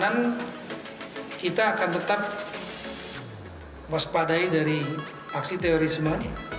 dan kita akan tetap mewaspadai dari aksi terorisme